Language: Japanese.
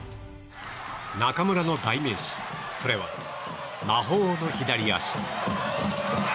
中村の代名詞それは魔法の左足。